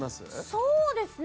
そうですね